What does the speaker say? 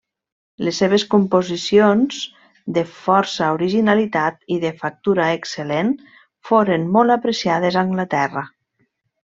Les seves composicions, de força originalitat i de factura excel·lent, foren molt apreciades a Anglaterra.